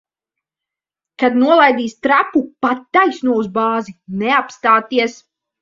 Kad nolaidīs trapu, pa taisno uz bāzi. Neapstāties!